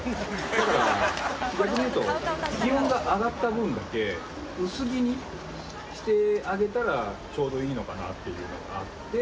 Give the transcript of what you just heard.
だから逆に言うと気温が上がった分だけ薄着にしてあげたらちょうどいいのかなっていうのがあって。